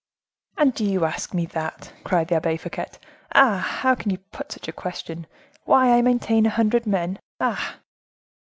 "And do you ask me that?" cried the Abbe Fouquet; "ah! how can you put such a question,—why I maintain a hundred men? Ah!"